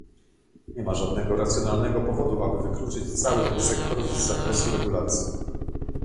Nie ma żadnego racjonalnego powodu, aby wykluczyć cały ten sektor z zakresu regulacji